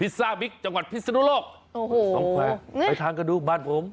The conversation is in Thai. พิซซ่าบิ๊กจังหวัดพิสสนุรกโอ้โหไปทานกันดูบ้านผม